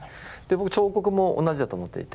僕彫刻も同じだと思っていて。